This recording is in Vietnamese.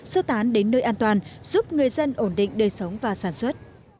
sơ tán đến nơi an toàn giúp người dân ổn định đời sống và sản xuất